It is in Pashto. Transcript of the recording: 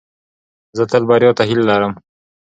زه تل بریا ته هیله لرم.